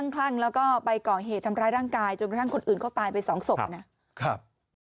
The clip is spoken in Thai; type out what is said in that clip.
ขอบคุณครับ